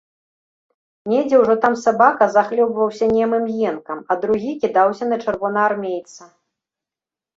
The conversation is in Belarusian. Недзе ўжо там сабака захлёбваўся немым енкам, а другі кідаўся на чырвонаармейца.